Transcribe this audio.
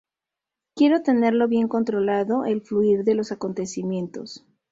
Quiero tenerlo bien controlado el fluir de los acontecimientos